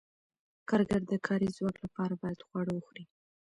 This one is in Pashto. کارګر د کاري ځواک لپاره باید خواړه وخوري.